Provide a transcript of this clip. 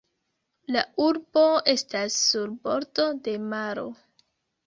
La urbo estas sur bordo de maro.